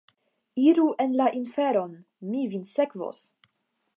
Iru en la inferon, mi vin sekvos!